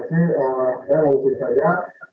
saya mau berkisar ya